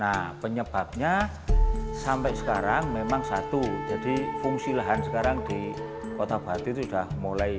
nah penyebabnya sampai sekarang memang satu jadi fungsi lahan sekarang di kota batu itu sudah mulai